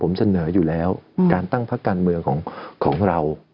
ผมเสนออยู่แล้วการตั้งพักการเมืองของเรา